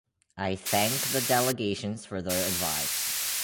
I thank the delegations for their advice.